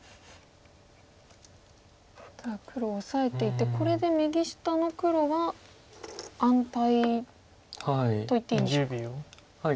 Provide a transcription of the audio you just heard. ただ黒オサえていってこれで右下の黒は安泰といっていいんでしょうか。